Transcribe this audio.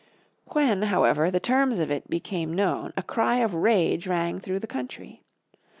When, however, the terms of it became known a cry of rage rang through the country.